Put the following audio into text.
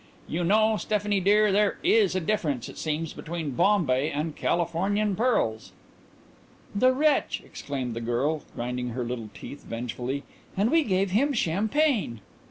You know, Stephanie dear, there is a difference, it seems, between Bombay and Californian pearls." "The wretch!" exclaimed the girl, grinding her little teeth vengefully. "And we gave him champagne!"